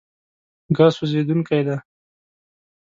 ګاز سوځېدونکی دی.